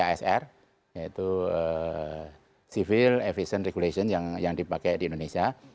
di casr yaitu civil efficient regulation yang dipakai di indonesia